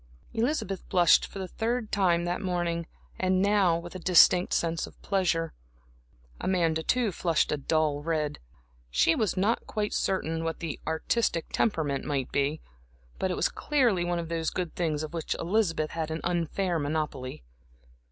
Elizabeth blushed for the third time that morning, and now with a distinct sense of pleasure. Amanda, too, flushed a dull red. She was not quite certain what the artistic temperament might be, but it was clearly one of those good things of which Elizabeth had an unfair monopoly.